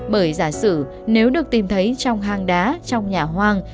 bởi giả sử nếu được tìm thấy trong hang đá trong nhà hoang